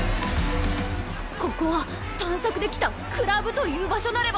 ここは探索で来た「くらぶ」という場所なれば！